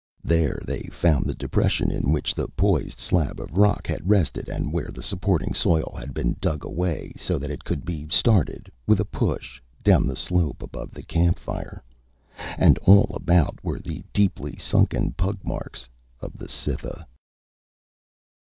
There they found the depression in which the poised slab of rock had rested and where the supporting soil had been dug away so that it could be started, with a push, down the slope above the campfire. And all about were the deeply sunken pug marks of the Cytha!